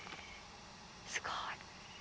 すごい。